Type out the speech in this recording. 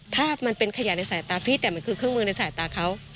ถ้ามันเป็นขยะในสายตาพี่แต่มันคือเครื่องมือในสายตาเขา